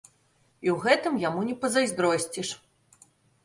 І ў гэтым яму не пазайздросціш.